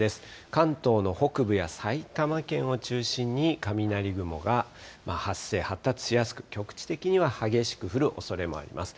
関東の北部や埼玉県を中心に、雷雲が発生、発達しやすく、局地的には激しく降るおそれもあります。